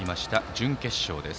準決勝です。